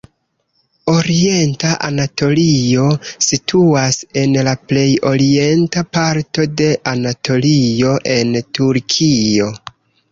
Orienta Anatolio situas en la plej orienta parto de Anatolio en Turkio.